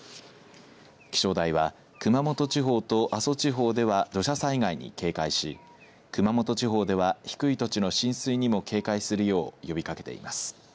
気象台は熊本地方と阿蘇地方では土砂災害に警戒し熊本地方では低い土地の浸水にも警戒するよう呼びかけています。